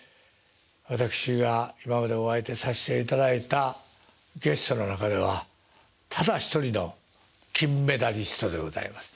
私が今までお相手させていただいたゲストの中ではただ一人の金メダリストでございます。